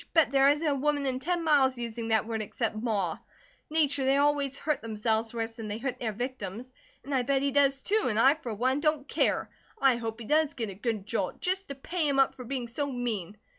Bet there isn't a woman in ten miles using that word except Ma nature they always hurt themselves worse than they hurt their victims. And I bet he does, too, and I, for one, don't care. I hope he does get a good jolt, just to pay him up for being so mean."